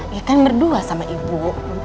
ya kan berdua sama ibu